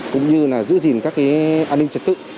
cũng như giữ gìn các an ninh trật tự